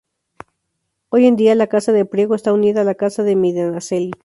Hoy en día, la Casa de Priego está unida a la Casa de Medinaceli.